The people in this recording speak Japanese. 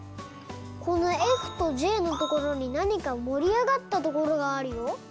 このｆとｊのところになにかもりあがったところがあるよ。